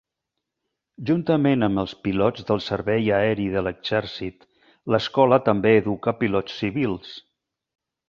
Juntament amb els pilots del servei aeri de l'exèrcit, l'escola també educa pilots civils.